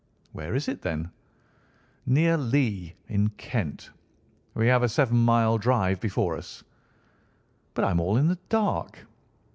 "Where is it, then?" "Near Lee, in Kent. We have a seven mile drive before us." "But I am all in the dark."